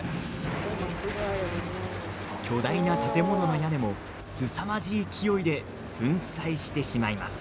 巨大な建物の屋根もすさまじい勢いで粉砕してしまいます。